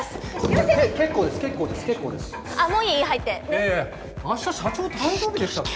・いやいや明日社長誕生日でしたっけ？